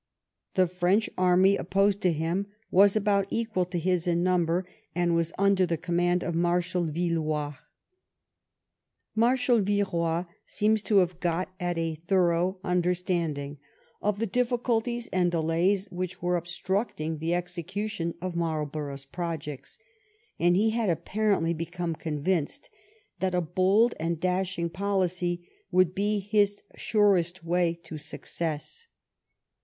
The French army opposed to him was about equal to his in num bers, and was under the command of Marshal Villeroy. Marshal Villeroy seems to have got at a thorough 246 BAMILLIES AND ALMANZA understanding of the difficulties and delays which were obstructing the execution of Marlborough's projects, and he had apparently become convinced that a bold and dashing policy would be his surest way to success.